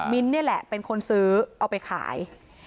นี่แหละเป็นคนซื้อเอาไปขาย